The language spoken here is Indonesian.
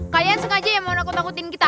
kalian sengaja yang mau takut takutin kita